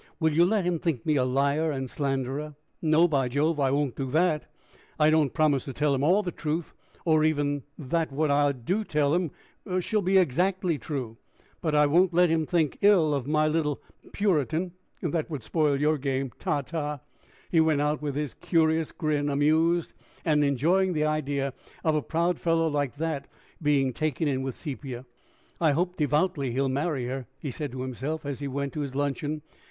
"Will you let him think me a liar and slanderer?" "No, by Jove! I won't do that. I don't promise to tell him all the truth, or even that what I do tell him shall be exactly true; but I won't let him think ill of my little puritan; that would spoil your game. Ta, ta!" He went out, with his curious grin, amused, and enjoying the idea of a proud fellow like that being taken in with Sepia. "I hope devoutly he'll marry her!" he said to himself as he went to his luncheon.